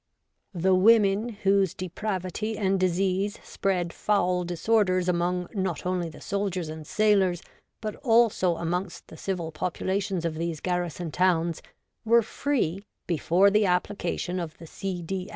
The women whose depravity and disease spread foul disorders among not only the soldiers and sailors, but also amongst the civil populations of these garrison towns, were free, before the application of the C. D.